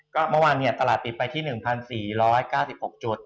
ก็เมื่อวานตลาดปิดไปที่๑๔๙๖จุด